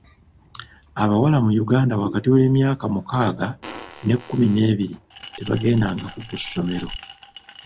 Abawala mu Uganda wakati w'emyaka mukaaga n'ekkumi n'ebiri tebagendangako ku ssomero.